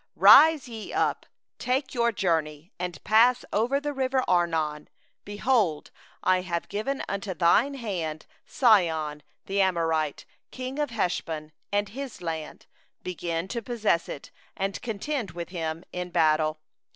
— 24Rise ye up, take your journey, and pass over the valley of Arnon; behold, I have given into thy hand Sihon the Amorite, king of Heshbon, and his land; begin to possess it, and contend with him in battle.